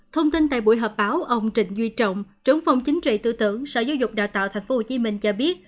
thông tin tại buổi họp báo ông trịnh duy trọng trưởng phòng chính trị tư tưởng sở giáo dục đào tạo tp hcm cho biết